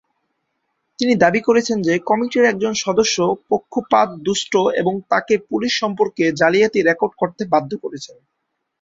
তিনি দাবি করেছেন যে কমিটির একজন সদস্য পক্ষপাতদুষ্ট এবং তাকে পুলিশ সম্পর্কে জালিয়াতি রেকর্ড করতে বাধ্য করেছেন।